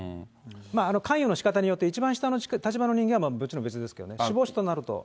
関与のしかたによって、一番下の立場の人間は、もちろん別ですけどね、首謀者となると。